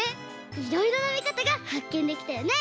いろいろなみかたがはっけんできたよね！